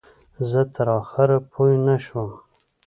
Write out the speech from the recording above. زه تر آخره پوی نه شوم.